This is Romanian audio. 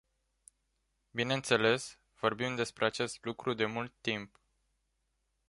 Bineînțeles, vorbim despre acest lucru de mult timp.